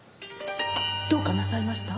どうかなさいました？